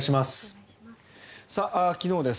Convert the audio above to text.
昨日です。